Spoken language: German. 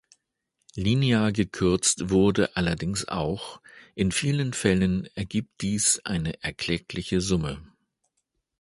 Linear gekürzt wurde allerdings auch, in vielen Fällen ergibt dies eine erkleckliche Summe.